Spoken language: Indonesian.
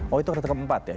oh itu kereta keempat ya